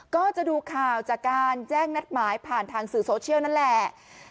ก็จะดูข่าวจากการแจ้งนัดหมายผ่านทางสื่อโซเชียลนั่นแหละ